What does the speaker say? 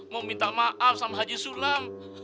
mau minta maaf sama haji sulam